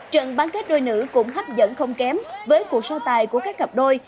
trận bán kết đôi nữ cũng hấp dẫn không kém với cuộc so tài của các cặp đôi